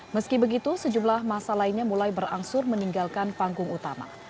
meski begitu sejumlah masa lainnya mulai berangsur meninggalkan panggung utama